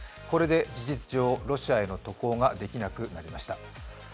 これで事実上、ロシアへの渡航ができなくなりました。